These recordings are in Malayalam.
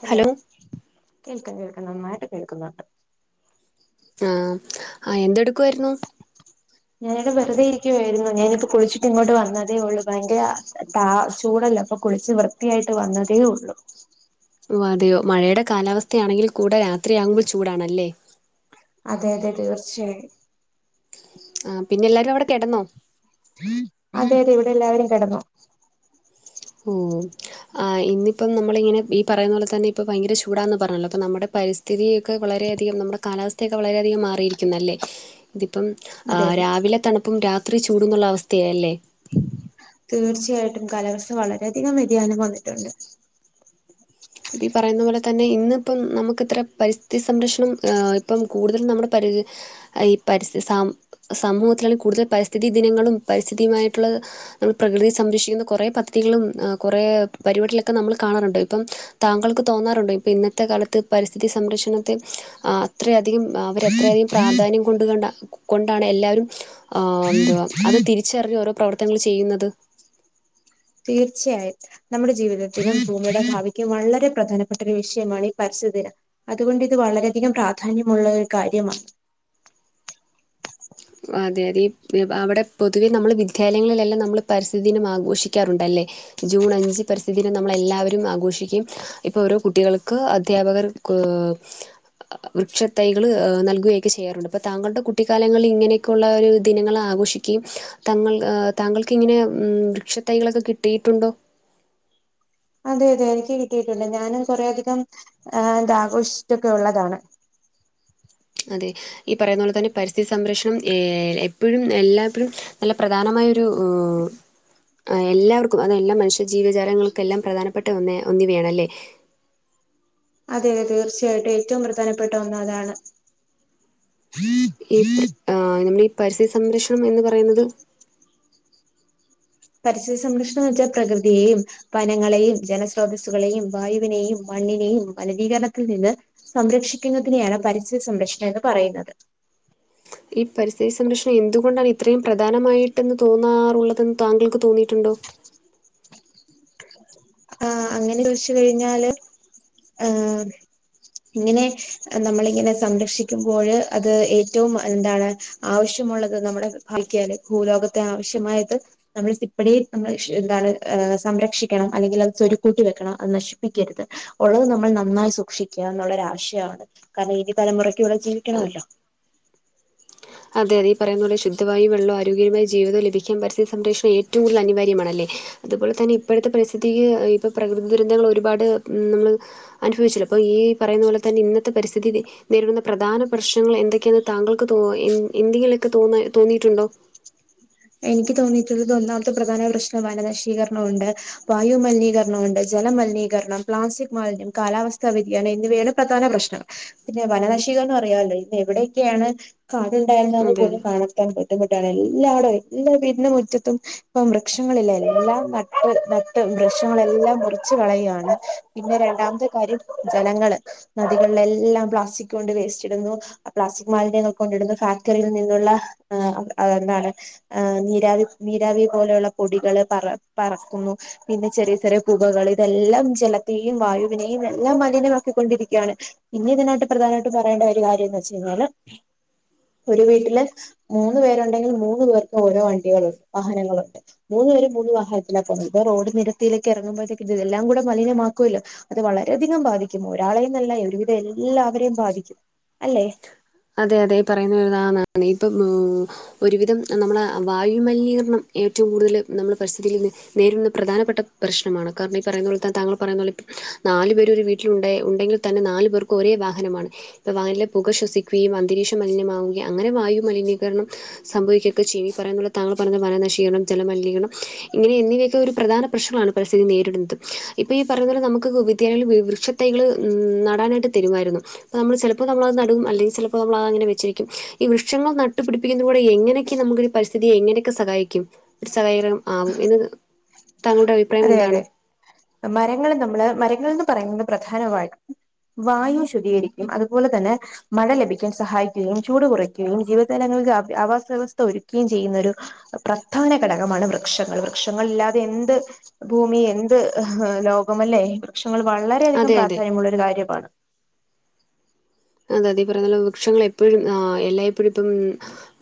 ഹലോ കേൾക്കാം കേൾക്കാം നന്നായിട്ട് കേൾക്കുന്നുണ്ട്. ആഹ് ആ എന്തെടുക്കു ആയിരുന്നു? ഞാന ഇടെ വെറുതെ ഇരിക്കുവായിരുന്നു ഞാനിപ്പോ കുളിച്ചിട്ടിങ്ങോട്ട് വന്നതേ ഉള്ളൂ ഭയങ്കര ത ചൂടല്ലെ അപ്പൊ കുളിച്ച് വൃത്തിയായിട്ട് വന്നതേ ഉള്ളു. ഓഹ് അതെയോ മഴയുടെ കാലാവസ്ഥയാണെങ്കിൽ കൂടെ രാത്രിയാകുമ്പോൾ ചൂടാണല്ലേ. അതെ അതെ തീർച്ചയായും. ആഹ് പിന്നെല്ലാരും അവിടെ കെടന്നോ? അതെ അതെ ഇവിടെ എല്ലാവരും കെടന്നു. ഊം ആഹ് ഇന്നിപ്പം നമ്മളി ങ്ങനെ ഈ പറേന്ന പോലെ തന്നെ ഇപ്പ ഭയങ്കര ചൂടാന്ന് പറഞ്ഞല്ലോ അപ്പൊ നമ്മുടെ പരിസ് ഥിതിയൊക്കെ വളരെയധികം നമ്മുടെ കാലാവസ്ഥയൊക്കെ വളരെയധികം മാറിയിരിക്കുന്നല്ലേ. തിപ്പം അതെ ആഹ് അതെ രാവിലെ തണുപ്പും രാത്രി ചൂടുംന്ന്ള്ള അവസ്ഥയാ അല്ലേ? തീർച്ചയായിട്ടും കാലാവസ്ഥ വളരെയധികം വ്യതിയാനം വന്നിട്ടുണ്ട്. അപ്പീ പറയുന്ന പോലെ തന്നെ ഇന്നിപ്പം നമുക്ക്ത്ര പരിസ്ഥിതി സംരക്ഷണം ഏ ഇപ്പം കൂടുതൽ നമ്മുടെ പരി അ ഈ പരിസ്ഥി സാം സമൂഹത്തിലാണ് കൂടുതൽ പരിസ്ഥിതി ദിനങ്ങളും പരിസ്ഥിതിയുമായിട്ടുള്ള നമ്മൾ പ്രകൃതിയെ സംരക്ഷിക്കുന്ന കൊറേ പദ്ധതികളും അ കൊറേ പരിപാടികളൊക്കെ നമ്മള് കാണാറുണ്ട് ഇപ്പം താങ്കൾക്ക് തോന്നാറുണ്ടൊ ഇപ്പ ഇന്നത്തെ കാലത്ത് പരിസ്ഥിതി സംരക്ഷണത്തെ ആഹ് അത്രയധികം അവര ത്രയധികം പ്രാധാന്യം കൊണ്ട് കണ്ട കൊണ്ടാണ് എല്ലാവരും ആഹ് എന്തവാ അത് തിരിച്ചറിഞ്ഞ് ഓരോ പ്രവർത്തനങ്ങൾ ചെയ്യുന്നത്. തീർച്ചയായിട്ടും നമ്മുടെ ജീവിതത്തിനും ഭൂമിയുടെ ഭാവിക്കും വളരെ പ്രധാനപ്പെട്ട ഒരു വിഷയമാണ് ഈ പരസ്ഥിതി ദിനം അതു കൊണ്ടിത് വളരെയധികം പ്രാധാന്യമുള്ള ഒരു കാര്യമാ അതെ അതെ ഇ അവിടെ പൊതുവെ നമ്മള് വിദ്യാലയങ്ങളിലെല്ലാം നമ്മൾ പരിസ്ഥിതി ദിനം ആഘോഷിക്കാറുണ്ടല്ലേ ജൂൺ അഞ്ച് പരിസ്ഥിതിദിനം നമ്മള എല്ലാവരും ആഘോഷിക്കും ഇപ്പൊ ഓരോ കുട്ടികൾക്ക് അദ്ധ്യാപകർ ക്ക്ഹ് വൃക്ഷത്തൈകള് നൽകുകയൊക്കെ ചെയ്യാറുണ്ട് അപ്പൊ താങ്കളുടെ കുട്ടിക്കാലങ്ങളിലീ ഇങ്ങനെയൊക്കെള്ള ഒരു ദിനങ്ങള് ആഘോഷിക്കയും തങ്കൾ താങ്കൾക്ക് ഇങ്ങനെ ഉം വൃക്ഷത്തൈകളൊക്കെ കിട്ടിയിട്ടുണ്ടോ അതെ അതെ എനിക്ക് കിട്ടിയിട്ടുണ്ട് ഞാനും കൊറെ അധികം ആഹ് ഇതാഘോഷിച്ചിട്ടൊക്കെ ഉള്ളതാണ് അതെ ഈ പറയുന്ന പോലെതന്നെ പരിസ്ഥിതി സംരക്ഷണം ഏഹ് എപ്പഴും എല്ലാപ്പഴും നല്ല പ്രധാനമായൊര് ഒരു ഏ് എല്ലാവർക്കും അത് എല്ലാം മനുഷ്യ ജീവജാലങ്ങൾക്കെല്ലാം പ്രധാനപ്പെട്ട ഒന്നേ ഒന്നിവയാണ് അല്ലേ അതെ അതെ തീർച്ചയായിട്ടും ഏറ്റവും പ്രധാനപ്പെട്ട ഒന്ന് അതാണ് ഈ ബ്രിട്ടാ നമ്മള് ഈ പരിസ്ഥിതി സംരക്ഷണം എന്ന് പറയുന്നത് പരിസ്ഥിതി സംരക്ഷണം വെച്ചാ പ്രകൃതിയെയും വനങ്ങളെയും ജലസ്രോതസ്സുകളെയും വായുവിനെയും മണ്ണിനെയും മലിനീകരണത്തിൽ നിന്ന് സംരക്ഷിക്കുന്നതിനെയാണ് പരിസ്ഥിതി സംരക്ഷണം എന്ന് പറയുന്നത് ഈ പരിസ്ഥിതി സംരക്ഷണം എന്തുകൊണ്ടാണ് ഇത്രയും പ്രധാനമായിട്ടെന്ന് തോന്നാറുള്ളതെന്ന് താങ്കൾക്ക് തോന്നിയിട്ടുണ്ടോ ആഹ് അങ്ങനെ തോയ്ച്ച് കഴിഞ്ഞാല് ഏ്ഹ് ഇങ്ങനെ നമ്മളിങ്ങനെ സംരക്ഷിക്കുമ്പോഴ് അത് ഏറ്റവും എന്താണ് ആവശ്യമുള്ളത് നമ്മുടെ ആൾക്ക്യാല് ഭൂലോകത്തെ ആവശ്യമായത് നമ്മള് സ്റ്റിപ്പടി നമ്മള് ഷ് എന്താണ് ഏ് സംരക്ഷിക്കണം അല്ലെങ്കില് അത് ചൊരു കൂട്ടി വെക്കണം അത് നശിപ്പിക്കര്ത് ഉള്ളത് നമ്മള് നന്നായി സൂക്ഷിക്കാ എന്നുള്ളൊരആശയാവാണ്‌ കാരണം ഇരു തലമുറയ്ക്ക് ഇവിടെ ജീവിക്കണോല്ലോ അതെ അതെ ഈപറയുന്നത്പോലെ ശുദ്ധവായും വെള്ളവായി ആരോഗ്യരുമായി ജീവിതം ലഭിക്കും പരിസ്ഥിതി സംരക്ഷണം ഏറ്റവും കൂടുതൽ അനിവാര്യമാണല്ലേ അതുപോലതന്നെ ഇപ്പഴത്തെ പരിസ്ഥിതി ഇപ്പം പ്രകൃതി ദുരന്തങ്ങള് ഒരുപാട് ഉം നമ്മള് അനുഭവിച്ചല്ലോ ഇപ്പ ഈ പറയുന്ന പോലെ തന്നെ ഇന്നത്തെ പരിസ്ഥിതീല് നേരിടുന്ന പ്രധാന പ്രശ്നങ്ങൾ എൻ എന്തൊക്കെയെന്ന് താങ്കൾക്ക് തോ എൻ എന്തെങ്കിലൊക്കെ തോന്ന തോന്നിയിട്ടുണ്ടോ എനിക്ക് തോന്നിയിട്ടുള്ളത് ഒന്നാമത്തെ പ്രധാന പ്രശ്നം വനനശീകരണം ഒണ്ട് വായുമലിനീകരണം ഉണ്ട് ജലമലിനീകരണം പ്ലാസ്റ്റിക് മാലിന്യം കാലാവസ്ഥാ വ്യതിയാനം എന്നിവയലും പ്രധാന പ്രശ്നം പിന്നെ വനനശീകരണ അറിയാല്ലോ ഇന്ന് എവിടെയെക്കെയാണ് കാട്ണ്ടായിരുന്നത് അതെ പോലും അതെ കാണത്താൻ ബുദ്ധിമുട്ടാണ് എല്ലാ വ്ടും എല്ലാ വീട്ന്റെ മുറ്റത്തും ഇപ്പം വൃക്ഷങ്ങളില്ല എല്ലാം നട്ട് നട്ട് വൃക്ഷങ്ങളെല്ലാം മുറിച്ച്കളയാണ് പിന്നെ രണ്ടാമത്തെ കാര്യം ജനങ്ങള് നദികൾലെല്ലാം പ്ലാസ്റ്റിക് കൊണ്ട് വേസ്റ്റ് ഇടുന്നു പ്ലാസ്റ്റിക് മാലിന്യങ്ങൾ കൊണ്ടിടുന്നു ഫാക്ടറിയിൽ നിന്നുള്ള ഏ്ഹ് എന്താണ് ആ് നീരാവി നീരാവി പോലുള്ള പൊടികള് പറ പറക്കുന്നു പിന്നെ ചെറിയ ചെറിയ പുകകള് ഇതെല്ലാം ജലത്തെയും വായുവിനെയും എല്ലാം മലിനമാക്കികൊണ്ടിരിക്കാണ് പിന്നെ ഇതിനായിട്ട് പ്രധാനായിട്ട് പറയേണ്ട ഒരു കാര്യം എന്ന് വെച്ച് കഴിഞ്ഞാല് ഒരു വീട്ടില് മൂന്ന് പേരുണ്ടെങ്കിൽ മൂന്ന് പേർക്ക് ഓരോ വണ്ടികള് വാഹനങ്ങള്ണ്ട് മൂന്ന് പേരും മൂന്ന് വാഹനത്തിലാ പോവ്ന്നത് അപ്പോ റോഡ് നിരത്തിലയിലേക്ക് എറങ്ങുമ്പഴ്ത്തേക്ക് ഇത് എല്ലാം കൂടെ മലിനമാക്കുവല്ലോ അത് വളരെയധികം ബാധിക്കും ഒരാളെയ് ന്നല്ല ഒരുവിധം എല്ലാവരെയും ബാധിക്കും അല്ലെ അതെ അതെ ഈപറയുന്നതാന്ന് ഇപ്പം ഒരുവിധം നമ്മളെ വായുമലിനീകരണം ഏറ്റവും കൂടുതല് നമ്മള് പരിസ്ഥിതിൽ നിന്ന് നേരിട്ന്ന പ്രധാനപ്പെട്ട പ്രശ്നമാണ് കാരണം ഈ പറയുന്ന പോലെത താങ്കൾ പറയുന്നോലെ നാലു പേര് ഒരു വീട്ടിൽഉണ്ടെ ഉണ്ടെങ്കിൽ തന്നെ നാലു പേർക്കും ഒരേ വാഹനമാണ് ഇപ്പ വാഹനിലെ പുക ശ്വസിക്ക് ഈ അന്തരീക്ഷ മലിനംമാവുകയും അങ്ങനെ വായുമലിനീകരണം സംഭവിക്കുക്കെ ചെയ്യും ഈ പറയന്നുള്ള താങ്കൾ പറഞ്ഞ വനനശീകരണം ജലമലിനീകരണം ഇങ്ങനെ എന്നിവയൊക്കെ ഒരു പ്രധാന പ്രശ്നവാണ് പരിസ്ഥിതി നേരിടുന്നത് ഇപ്പൊ ഈ പറയുന്ന പോലെ നമുക്ക് വിദ്യാലയങ്ങളിൽ വൃക്ഷ തൈകള് നടാനായിട്ട് തരുമായിരുന്നു നമ്മള് ചെലപ്പോ നമ്മളത് നടും അല്ലെങ്കി ചെലപ്പോ നമ്മളതതങ്ങനെ വെച്ചിരിക്കും ഈ വൃക്ഷങ്ങൾ നട്ടു പിടിപ്പിക്കുന്നതിലൂടെ എങ്ങനൊക്കെ നമുക്ക് ഒരു പരിസ്ഥിതിയെ എങ്ങനെയെക്കെ സഹായിക്കും ഒരു സഹകരണം ആവും എന്ന് താങ്കളുടെ അഭി അതെ അതെ മരങ്ങള് നമ്മള് മരങ്ങൾന്ന് പറയുന്നത് പ്രധാനമായി വായു ശുധീകരിക്കും അതുപോലെ തന്നെ മഴ ലഭിക്കാൻ സഹായിക്കുകയും, ചൂട് കൊറയ്ക്കുകയും, ജീവജാലങ്ങൾക്ക് ആവ ആവാസ വ്യവസ്ഥ ഒരുക്കുകയും ചെയ്യുന്ന ഒരു പ്രധാന ഘടകമാണ് വൃക്ഷങ്ങൾ വൃക്ഷങ്ങളില്ലാതെ എന്ത് ഭൂമി എന്ത് ലോകം അല്ലേ? വൃക്ഷങ്ങൾ വളരെയധികം അതെ അതെ പ്രാധാന്യമുള്ള ഒരു കാര്യമാണ് അതെ അതെ ഈ പറയുന്ന പോലെ വൃക്ഷങ്ങൾ എപ്പഴും ആഹ് എല്ലായിപ്പോഴും ഇപ്പം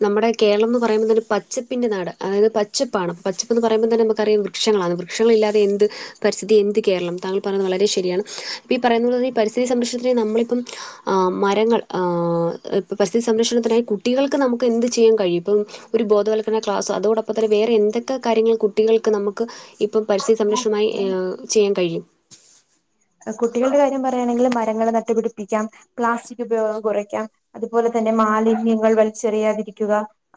നമ്മടെ കേരളം എന്ന് പറയുമ്പോ തന്നെ പച്ചപ്പിന്റെ നാട് അതായത് പച്ചപ്പാണ് പച്ചപ്പ്ന്ന് പറയുമ്പോ തന്നെ നമുക്കറിയാം വൃ വൃക്ഷങ്ങളാണ് വൃക്ഷങ്ങളില്ലാതെ എന്ത് പരിസ്ഥിതി എന്ത് കേരളം താങ്കൾ പറയുന്നത് വളരെ ശരിയാണ് ഇപ്പം ഈ പറയുന്നത് ഈ പരിസ്ഥിതി സംരക്ഷണത്തിന് നമ്മളിപ്പം ആഹ് മരങ്ങൾ ആ ഇപ്പം പരിസ്ഥിതി സംരക്ഷണത്തിനായി കുട്ടികൾക്ക് നമുക്ക് എന്ത് ചെയ്യാൻ കഴിയും ഇപ്പം ഒരു ബോധവൽക്കരണ ക്ലാസോ അതോടൊപ്പം തന്നെ വേറെ എന്തൊക്കെ കാര്യങ്ങൾ കുട്ടികൾക്ക് നമുക്ക് ഇപ്പം പരിസ്ഥിതി സംരക്ഷണമായി ഏഹേ ചെയ്യാൻ കഴിയും കുട്ടികളുടെ കാര്യം പറയയാണെങ്കില് മരങ്ങൾ നട്ടുപിടിപ്പിക്കാം, പ്ലാസ്റ്റിക് ഉപയോഗം കൊറയ്ക്കാം അതുപോലെ തന്നെ മാലിന്യങ്ങൾ വലിച്ചെറിയാതിരിക്കുക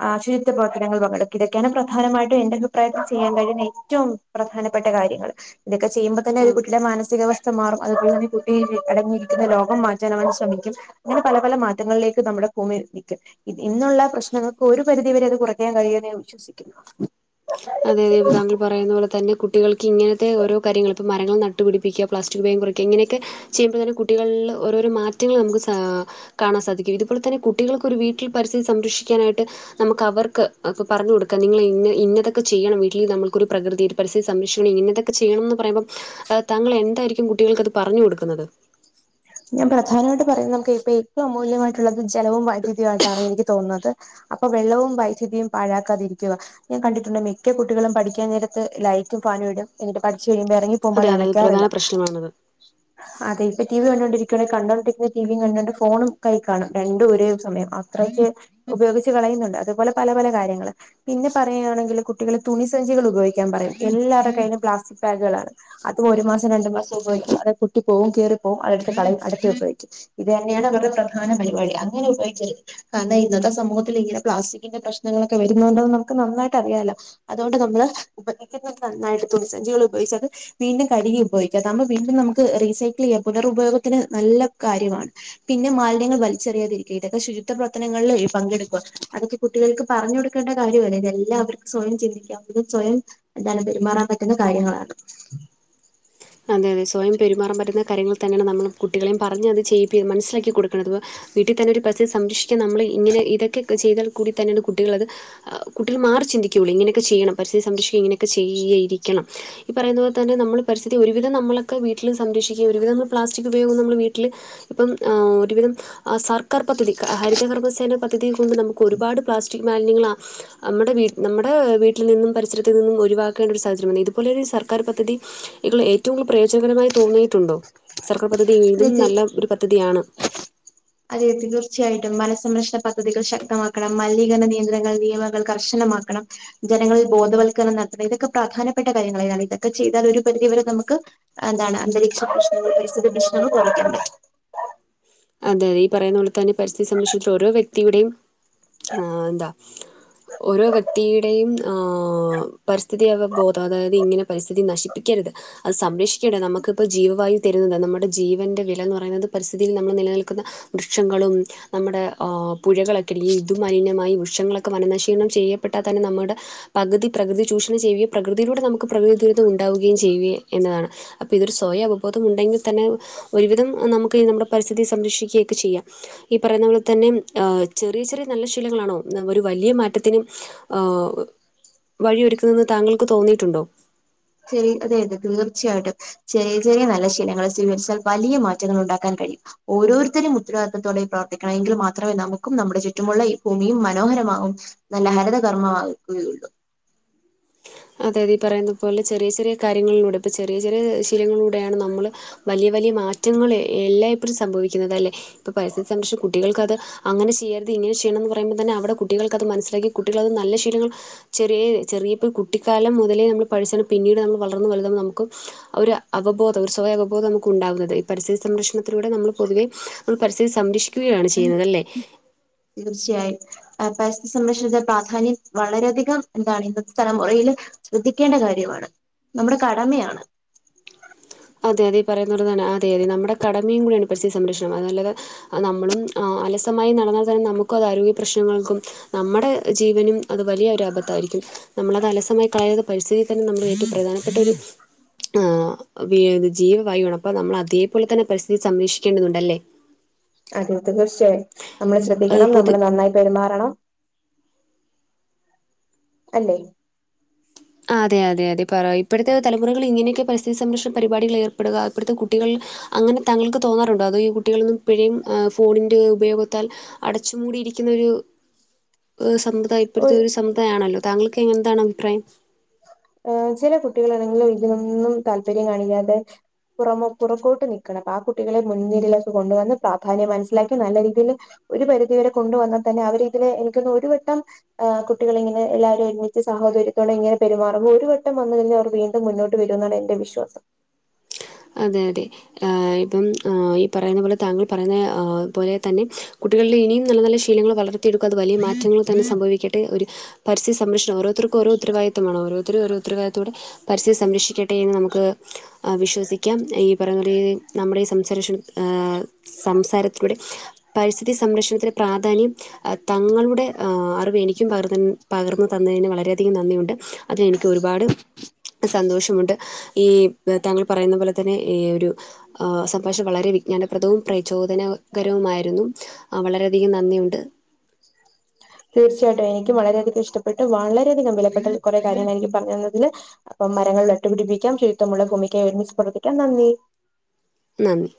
ആഹ് ശുചിത്വ പ്രവർത്തനങ്ങളിൽ പങ്കെടുക്ക ഇതൊക്കെയാണ് പ്രധാനമായിട്ടും എന്റെ അഭിപ്രായത്തിൽ ചെയ്യാൻ കഴിയുന്ന ഏറ്റവും പ്രധാനപ്പെട്ട കാര്യങ്ങള് ഇതൊക്കെ ചെയ്യുമ്പോ തന്നെ ആ, ഒരു കുട്ടിയുടെ മാനസിക അവസ് ത്ത മാറും അതുപോലെ തന്നെ ഈ കുട്ടി അടങ്ങിയിരിക്കുന്ന ലോകം മാറ്റാൻ അവൻ ശ്രമിക്കും അങ്ങനെ പല പല മാറ്റങ്ങളിലേക്ക് നമ്മുടെ ഭൂമി നിക്കും ഇന്നുള്ള പ്രശ്നങ്ങൾക്ക് ഒരു പരിധി വരെ അത് കുറയ്ക്കാൻ കഴിയുന്ന് ഞാൻ വിശ്വസിക്കുന്നു അതെ അതെ താങ്കൾ പറയുന്ന പോലെ തന്നെ കുട്ടികൾക്ക് ഇങ്ങനത്തെ ഓരോ കാര്യങ്ങൾ ഇപ്പോ മരങ്ങൾ നട്ടുപിടി പ്പിക്ക പ്ലാസ്റ്റിക് ഉപയോഗം കുറയ്ക്ക ഇങ്ങനെയൊക്കെ ചെയ്യുമ്പോ തന്നെ കുട്ടികൾല് ഓരോരോ മാറ്റങ്ങള് നമുക്ക് സാ കാണാൻ സാധിക്കും ഇതുപോലെ തന്നെ കുട്ടികൾക്ക് ഒരു വീട്ടിൽ പരിസ്ഥിതി സംരക്ഷിക്കാനായിട്ട് നമുക്ക് അവർക്ക് ഇപ്പ പറഞ്ഞ കൊടുക്കാം നിങ്ങള ഇന്ന ഇന്നത് ഒക്കെ ചെയ്യണം വീട്ടിൽ നമൾക്കൊരു പ്രകൃതി, ഒരു പരിസ്ഥിതി സംരക്ഷിക്കണം ഇങ്ങനത്തൊക്കെ ചെയ്യണംമെന്ന് പറയുമ്പം എഹ് താങ്കൾ എന്തായിരിക്കും കുട്ടികൾക്ക് അത് പറഞ്ഞു കൊടുക്കുന്നത്? ഞാൻ പ്രധാനമായിട്ട് പറയുന്നത് നമുക്ക് ഇപ്പൊ ഏറ്റവും അമൂല്യമായിട്ടുള്ളത് ജലവും വൈദ്യുതിയുമായിട്ടാണ് എനിക്ക് തോന്നുന്നത്. അപ്പൊ വെള്ളവും വൈദ്യുതിയും പാഴാക്കാതിരിക്കുക. ഞാൻ കണ്ടിട്ടുണ്ട് മിക്ക കുട്ടികളും പഠിക്കാൻ നേരത്ത് ലൈറ്റും ഫാനും ഇടും എന്നിട്ട് പഠിച്ച് കഴിയുമ്പോ എറങ്ങി പോകുമ്പോ അതെ അത് അതെ അണക്കാറില്ല പ്രധാന പ്രശ്നമാണത് അതെ ഇപ്പൊ ടി വി കണ്ടോണ്ടി കണ്ടോണ്ടിരിക്ണ ടി വി കണ്ടോണ്ട് ഫോണും കൈ കാണും രണ്ടും ഒരേ സമയം അത്രയ്ക്ക് ഉപയോഗിച്ച് കളയുന്നുണ്ട് അതുപോലെ പല പല കാര്യങ്ങള് പിന്നെ പറയാണെങ്കില് കുട്ടികള് തുണി സഞ്ചികള് ഉപയോഗിക്കാൻ പറയും എല്ലാരുടെ കയ്യിലും പ്ലാസ്റ്റിക് ബാഗുകളാണ് അത് ഒരു മാസം രണ്ട് മാസം ഉപയോഗിക്കും അത് പൊട്ടി പോവും കീറിപ്പോവും അതെടുത്ത് കളയും അടുത്ത ഉപയോഗിക്കും. ഇത് തന്നെയാണ് ഇവരുടെ പ്രധാന പരിപാടി അങ്ങനെ ഉപയോഗിച്ച കാരണം ഇന്നത്തെ സമൂഹത്തില് ഇങ്ങനെ പ്ലാസ്റ്റിക്കിന്റെ പ്രശ്നങ്ങളൊക്കെ വരുന്നുണ്ടോന്ന് നമുക്ക് നന്നായിട്ട് അറിയാലോ അതുകൊണ്ട് നമ്മള് ഉപയോഗിക്കുന്നത് നന്നായിട്ട് തുണിസഞ്ചികള് ഉപയോഗിച്ചാല് വീണ്ടും കഴുകി ഉപയോഗിക്കാം അതാകുമ്പോ വീണ്ടും നമുക്ക് റീസൈക്കിൾ ചെയ്യാം പുനരുപയോഗത്തിന് നല്ല കാര്യമാണ്. പിന്നെ മാലിന്യങ്ങൾ വലിച്ചെറിയാതിരിക്കുക, ഇതൊക്കെ ശുചിത്വ പ്രവർത്തനങ്ങളിൽ പങ്കെടുക്കുക അതൊക്കെ കുട്ടികൾക്ക് പറഞ്ഞു കൊടുക്കേണ്ട കാര്യവല്ലേ ഇതെല്ലാവർക്കും സ്വയം ചിന്തിക്കാവുന്നതും സ്വയം എന്താലും പെരുമാറാൻ പറ്റുന്ന കാര്യങ്ങളാണ്. അതെ അതെ സ്വയം പെരുമാറാൻ പറ്റുന്ന കാര്യങ്ങൾ തന്നെയാണ് നമ്മള് കുട്ടികളേം പറഞ് അത് ചെയ്യിപ്പി മനസ്സിലാക്കി കൊടുക്കണം അതു പോലെ വീട്ടിൽ തന്നെ ഒരു പരിസ്ഥിതി സംരക്ഷിക്കാൻ നമ്മൾ ഇങ്ങനെ ഇതൊക്കെ ചെയ്താൽ കൂടി തന്നെയാണ് കുട്ടികളത് കുട്ടികൾ മാറി ചിന്തിക്കുകയുള്ളൂ ഇങ്ങനെയൊക്കെ ചെയ്യണം പരിസ്ഥിതി സംരക്ഷിക്കുക ഇങ്ങനെയൊക്കെ ചെയ്യയിരിക്കണം. ഈ പറയുന്നത് പോലെ തന്നെ നമ്മള് പരിസ് സ്ഥിതി ഒരുവിധം നമ്മളൊക്കെ വീട്ടിൽ സംരക്ഷിക്കുക ഒരുവിധം നമ്മള് പ്ലാസ്റ്റിക് ഉയോഗം നമ്മൾ വീട്ട്ല് ഇപ്പം ആ ഒരുവിധം സർക്കാർപദ്ധതി ഹരിതകർമ്മ സേന പദ്ധ തിയെ കൊണ്ട് നമുക്ക് ഒരുപാട് പ്ലാസ്റ്റിക് മാലിന്യങ്ങളാ നമ്മുടെ വീ നമ്മുടെ വീട്ടിൽ നിന്നും പരിസരത്തിൽ നിന്നും ഒഴിവാക്കേണ്ട ഒരു സാഹചര്യം വന്നേ ഇതുപോലെ സർക്കാർ പദ്ധതി ഇതിൾ ഏറ്റവും കൂടുതൽ പ്രയോജനകരമായി തോന്നിയിട്ടുണ്ടോ? സർക്കാർ പദ്ധതി ഇതും അതെ നല്ല ഒരു പദ്ധതിയാണ്. അതെ തീർച്ചയായിട്ടും, മനസംരക്ഷണ പദ്ധതികൾ ശക്തമാക്കണം, മലിനീകരണ നിയന്ത്രണങ്ങൾ, നിയമങ്ങൾ, കർശനമാക്കണം. ജനങ്ങളിൽ ബോധവൽക്കരണം നടത്തണം ഇതൊക്കെ പ്രധാനപ്പെട്ട കാര്യങ്ങളാണ് ഇതൊക്കെ ചെയ്താൽ ഒരു പരിധിവരെ നമുക്ക് എന്താണ് അന്തരീക്ഷ പ്രശ്നവും പരിസ്ഥിതി പ്രശ്നങ്ങളും കുറയ്ക്കേണ്ടേ അതെ അതെ ഈ പറയുന്ന പോലെ തന്നെ പരിസ്ഥിയ സംബന്ധിച്ചി ഓരോ വ്യക്തിയുടെയും ആ എന്താ ഓരോ വ്യക്തിയുടെയും ആ പരിസ്ഥിതി അവബോധം അതായത് ഇങ്ങനെ പരിസ്ഥിതി നശിപ്പ രുത് അത് സംരക്ഷിക്കേണ്ട നമുക്ക്പ്പോ ജീവവായു തരുന്നത് നമ്മുടെ ജീവന്റെ വില എന്ന് പറയുന്നത് പരിസ്ഥിതിൽ നമ്മൾ നിലനിൽക്കുന്ന വൃക്ഷങ്ങളും നമ്മുടെ ആ പുഴകളൊക്കെ [unintelligible] ഇതുമലിനമായി വൃഷങ്ങളൊക്കെ വനനശീലണം ചെയ്യപ്പെട്ടാൽ തന്നെ നമ്മുടെ പകുതി പ്രകൃതി ചൂഷണം ചെയ്യുക പ്രകതിയിലൂടെ നമുക്ക് പ്രകൃതി ദുരന്തം ഉണ്ടാവുകയും ചെയ്യുക എന്നതാണ്. അപ്പൊ ഇതൊരു സ്വയം അവബോധം ഉണ്ടെങ്കി തന്നെ ഒരുവിധം നമുക്ക് ഈ നമ്മുടെ പരിസ്ഥിതി സംരക്ഷിക്കുകയൊക്കെ ചെയ്യാം. ഈ പറയുന്ന പോലെ തന്നെ ആ ചെറിയ ചെറിയ നല്ല ശീലങ്ങളാണോ ഒരു വലിയ മാറ്റത്തിന് ആ വഴിയൊരുക്കുന്നെന്ന് താങ്കൾക്ക് തോന്നിയിട്ടുണ്ടോ? ശരി അതെ അതെ തീർച്ചയായിട്ടും. ചെറിയ ചെറിയ നല്ല ശീലങ്ങൾ സ്വീകരിച്ചാൽ വലിയ മാറ്റങ്ങൾ ഉണ്ടാക്കാൻ കഴിയും. ഓരോരുത്തരും ഉത്തരവാദിത്വത്തോടെ പ്രവർത്തിക്കണം എങ്കിൽ മാത്രമേ നമുക്കും നമ്മുടെ ചുറ്റുമുള്ള ഈ ഭൂമിയും മനോഹരമാകും. നല്ല ഹരിത കർമ്മമാക്കുകയുള്ളൂ. അതെ അതെ ഈ പറയുന്ന പോലെ ചെറിയ ചെറിയ കാര്യങ്ങളിലൂടെ ഇപ്പൊ ചെറിയ ചെറിയ ശീലങ്ങളിലൂടെയാണ് നമ്മള് വലിയ വലിയ മാറ്റങ്ങൾ എല്ലായ്പ്പോഴും സംഭവിക്കുന്നത് അല്ലേ ഇപ്പോൾ പരിസ്ഥിത്തെ സംബന്ധിച്ച് കുട്ടികൾക്കത് അങ്ങനെ ചെയ്യരുത് ഇങ്ങനെ ചെയ്യണംമെന്ന് പറയ്മ്പോൾ തന്നെ അവിടെ കുട്ടികൾക്കത് മനസ്സിലാക്കി കുട്ടികളത് നല്ല ശീലങ്ങൾ ചെറിയ ചെറിയ ഇപ്പോ കുട്ടിക്കാലം മുതലേ നമ്മൾ പഠിച്ചത് പിന്നീട് നമ്മൾ വളർന്നു വലുതാവുമ്പോൾ നമുക്കും ഒരു അവബോധം ഒരു സ്വയം ഉപബോധം നമുക്ക് ഉണ്ടാവുന്നത് ഈ പരിസ്ഥിതി സംരക്ഷണത്തിലൂടെ നമ്മള് പൊതുവെ നമ്മൾ പരിസ്ഥിതി സംരക്ഷിക്കുകയാണ് ചെയ്യുന്നത് അല്ലേ തീർച്ചയായും പരിസ്ഥിതി സംരക്ഷണത്തിൻ്റെ പ്രാധാന്യം വളരെയധികം ഇതാണ് ഇന്നത്തെ തലമുറയില് ശ്രദ്ധിക്കേണ്ട കാര്യമാണ് നമ്മുടെ കടമയാണ് അതെ അതെ ഈ പറയുന്നത് പോലെ തന്നെ അതെ അതെ നമ്മുടെ കടമയും കൂടിയാണ് പരിസ്ഥിതി സംരക്ഷണം അത് നല്ലത് അത് നമ്മളും അലസമായി നടന്നാൽ തന്നെ നമുക്കും അത് ആരോഗ്യ പ്രശ്നങ്ങൾക്കും നമ്മടെ ജീവനും അത് വലിയ ഒരു അബദ്ധായിരിക്കും നമ്മളത് അലസമായി കളയാതെ പരിസ്ഥിതിയിൽ തന്നെ നമ്മളെ ഏറ്റവും പ്രധാനപ്പെട്ട ഒരു ആ ഇത് ജീവവായുവാണ് അപ്പൊ നമ്മൾ അതേപോലെ തന്നെ പരിസ്ഥിതി സംരക്ഷിക്കേണ്ടതുണ്ട ല്ലേ അതെ തീർച്ചയായും നമ്മള് ഏഹ് ശ്രദ്ധിക്കണം പൊതു നമ്മള് നന്നായി പെരുമാറണം അല്ലേ അതെ അതെ അതെ പറ ഇപ്പഴത്തെ തലമുറകൾ ഇങ്ങനെയൊക്കെ പരിസ്ഥി സംരക്ഷണ പരിപാടികൾ ഏർപ്പെടുക ഇപ്പഴത്തെ കുട്ടികൾ അങ്ങനെ താങ്കൾക്ക് തോന്നാറുണ്ടോ അതോ ഈ കുട്ടികളൊന്നും ഇപ്പഴും ഈ ഫോണിൻ്റെ ഉപയോഗത്താൽ അടച്ച് മൂടിയിരിക്കുന്നൊരു ഒരു സമുദായം ഇപ്പഴത്തെ ഒരു സമുദയാണല്ലോ താങ്കൾക്ക് എങ്ങനെത്താണ് അഭിപ്രായം ചില കുട്ടികളാണെങ്കിലും- ഇതിതിനൊന്നും താല്പര്യം- കാണിക്കാതെ- പുറമെ പുറക്കോട്ട് നിക്കണം- അപ്പം ആ കുട്ടികളെ- മുൻനിരയിലേക്ക് കൊണ്ടുവന്ന്- പ്രാധാന്യം മനസ്സിലാക്കി നല്ല- രീതിയില്- ഒരു പരിധിവരെ കൊണ്ടുവന്ന- തന്നെ അവര് ഇതില്- എനിക്കോന്ന്ണ് ഒരു വട്ടം- ഏ കുട്ടികൾ ഇങ്ങനെ എല്ലാരും- ഒരുമിച്ച് സഹോദര്യത്തോടെ- ഇങ്ങനെ- പെരുമാറുമ്പം ഒരു വട്ടം വന്നു- കഴിഞ്ഞ അവർ വീണ്ടും- മുന്നോട്ട് വരും എന്നാണ് എന്റെ- വിശ്വാസം. അതെ, അതെ, ഏ ഇപ്പം ഈ പറയുന്ന പോലെ, താങ്കൾ പറയുന്ന പോലെ തന്നെ- കുട്ടികളുടെ ഇനിയും നല്ല, നല്ല ശീ- ശീലങ്ങൾ പലതും, ഏറ്റെടുക്കാതെ വലിയ- മാറ്റങ്ങൾ തന്നെ സംഭവിക്കട്ടെ. ഒരു പരിസ്ഥിതി സംരക്ഷണം- ഓരോരുർക്കുംഓരോ- ഉത്തരദിത്തമാണ് ഓരോ- ഓരോരുത്തരും ഓരോ- ഉത്തരവാദിത്തത്തോടെ- പരിസ്ഥിതി സംരക്ഷിക്കട്ടെ എന്ന്- നമുക്ക് വിശ്വസിക്കാം. യ്ക്കാം ഈ പറയുന്ന പോലെ- നമ്മുടെ ഈ സംസാര ശു- ഏ, സംസാരത്തിലൂടെ- പരിസ്ഥിതി സംരക്ഷണത്തിന്- പ്രാധാന്യം- തങ്ങളുടെ അറിവ് എനിക്കും- പകർന്ന പകർന്നു തന്നതിന്- വളരെയധികം നന്ദിയുണ്ട്. അത് എനിക്ക് ഒരുപാട്- സന്തോഷമുണ്ട്, ഈ താങ്കൾ- പറയുന്ന പോലെ- തന്നെ ഈ ഒരു സംഭാഷണം- വളരെ വിജ്ഞാനപ്രദവും, പ്രചോദനകരവുമായിരുന്നു. ആഹ, വളരെയധികം നന്ദിയുണ്ട്. തീർച്ചയായിട്ടും എനിക്ക്- വളരെയധികം ഇഷ്ടപ്പെട്ടു- വളരെയധികം വിലപ്പെട്ട കുറെ- കാര്യങ്ങൾ എനിക്ക് പറഞ്ഞു- തന്നതിന്. അപ്പം മരങ്ങൾ നട്ടുപിടിപ്പിക്കാം, ശുചിത്വമുള്ള ഭൂമിക്കായ്- ഒരുമിച്ച് പ്രവർത്തിക്കാം, നന്ദി.. ! നന്ദി.. !